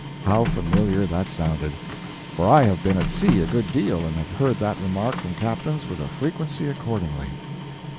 How familiar that sounded! For I have been at sea a good deal and have heard that remark from captains with a frequency accordingly.